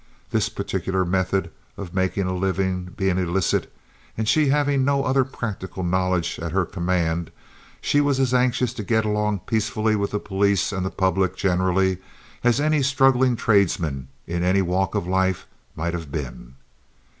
This particular method of making a living being illicit, and she having no other practical knowledge at her command, she was as anxious to get along peacefully with the police and the public generally as any struggling tradesman in any walk of life might have been.